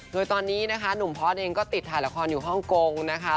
โดยตอนนี้นะคะหนุ่มพอร์ตเองก็ติดถ่ายละครอยู่ฮ่องกงนะคะ